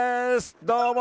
どうも！